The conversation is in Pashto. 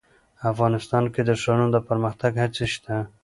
افغانستان کې د ښارونو د پرمختګ هڅې شته.